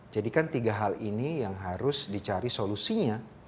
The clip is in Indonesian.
jadi kan tiga hal ini yang harus dicari solusinya